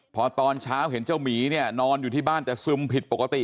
พอตอนเช้าเห็นเจ้าหมีเนี่ยนอนอยู่ที่บ้านแต่ซึมผิดปกติ